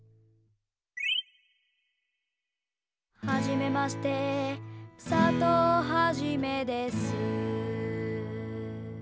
「はじめまして」「佐藤はじめです」